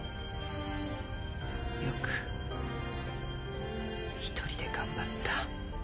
よく１人で頑張った。